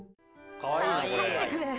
さあ入ってくれ。